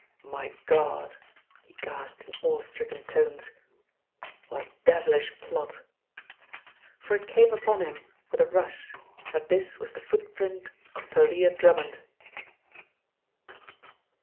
"My God!" he gasped in awe stricken tones. "What a devilish plot!" For it came upon him with a rush that this was the footprint of Thalia Drummond.